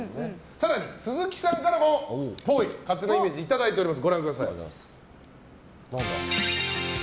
鈴木さんからも、っぽい勝手なイメージいただいています。